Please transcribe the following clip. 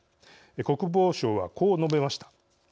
国防相はこう述べました。